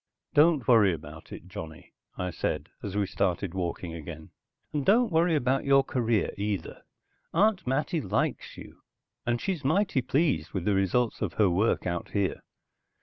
"Don't worry about it, Johnny," I said as we started walking again. "And don't worry about your career, either. Aunt Mattie likes you, and she's mighty pleased with the results of her work out here.